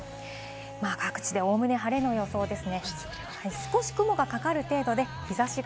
各地でおおむね晴れの予想です。